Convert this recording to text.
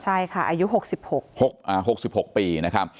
ใช่ค่ะอายุ๖๖ปี